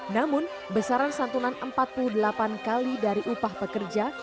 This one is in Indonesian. namun besaran santunan empat puluh delapan kali dari upah pekerja